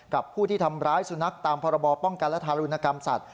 กับผู้ที่ทำร้ายสุนัขตามพรบป้องกันและทารุณกรรมสัตว